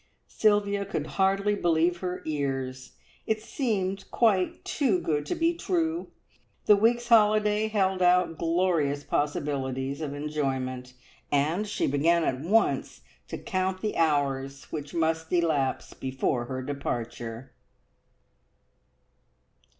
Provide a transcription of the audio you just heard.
Sylvia could hardly believe her ears. It seemed quite too good to be true. The week's holiday held out glorious possibilities of enjoyment, and she began at once to count the hours which must elapse before her departure.